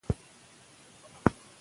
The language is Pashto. دا لار له هغې اوږده ده.